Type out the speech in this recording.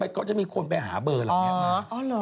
ก็จะมีคนไปหาเบอร์หลังแผนมา